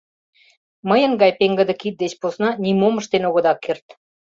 Мыйын гай пеҥгыде кид деч посна нимом ыштен огыда керт.